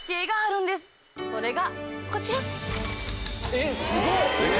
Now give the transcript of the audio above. えっすごい！